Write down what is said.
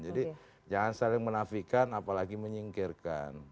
jadi jangan saling menafikan apalagi menyingkirkan